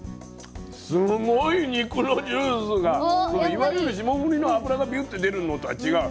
いわゆる霜降りの脂がビュッて出るのとは違う。